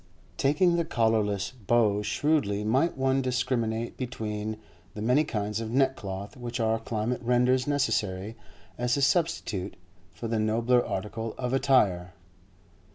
Taking the collarless, how shrewdly might one discriminate between the many kinds of neckcloth which our climate renders necessary as a substitute for the nobler article of attire!